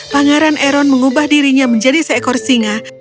pangeran eron mengubah dirinya menjadi seekor singa